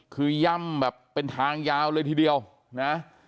คือย่ำแบบเป็นทางยาวเลยทีเดียวนะ